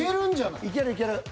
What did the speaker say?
いけるいける。